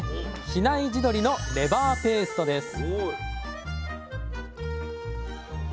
比内地鶏のレバーペーストです